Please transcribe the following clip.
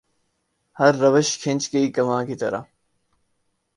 ہر روش کھنچ گئی کماں کی طرح